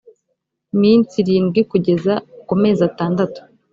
minsi irindwi kugeza ku mezi atandatu